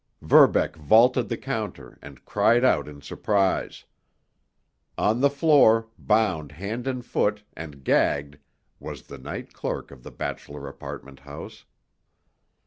Verbeck vaulted the counter, and cried out in surprise. On the floor, bound hand and foot, and gagged, was the night clerk of the bachelor apartment house.